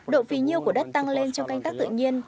độ phí nhiêu của đất tăng lên trong canh tác tự nhiên